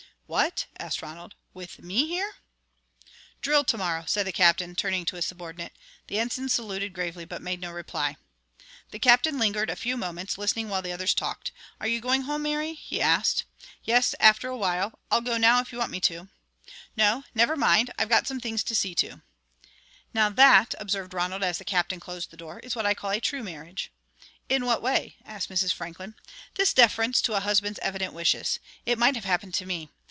"What?" asked Ronald, "with me here?" "Drill to morrow," said the Captain, turning to his subordinate. The Ensign saluted gravely, but made no reply. The Captain lingered a few moments, listening while the others talked. "Are you going home, Mary?" he asked. "Yes, after a while. I'll go now if you want me to." "No; never mind. I've got some things to see to." "Now that," observed Ronald, as the Captain closed the door, "is what I call a true marriage." "In what way?" asked Mrs. Franklin. "This deference to a husband's evident wishes. It might have happened to me.